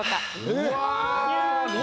うわ。